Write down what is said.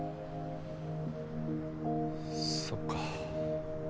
そっか。